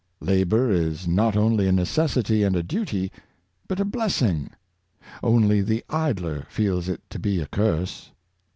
Labor is not only a necessity and a duty, but a blessing: only the idler feels it to be a curse.